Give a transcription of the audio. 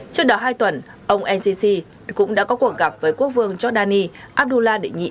trước đó hai tuần ông ncc cũng đã có cuộc gặp với quốc vương giordani abdullah đệ nhị